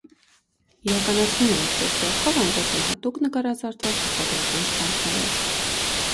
Իրականացվում է ինչպես ձեռքով, այնպես էլ հատուկ նկարազարդված տպագրական շտամպներով։